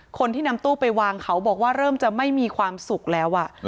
คนที่นำตู้ไปวางเขาบอกว่าเริ่มจะไม่มีความสุขแล้ว